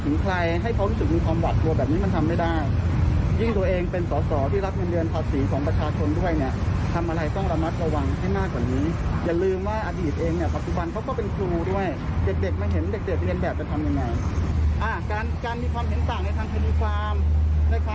นี่ค่ะธนาย๔คนใช่ไหมคะ